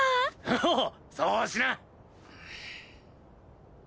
おおっそうしな！